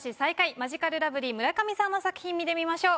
マヂカルラブリー村上さんの作品見てみましょう。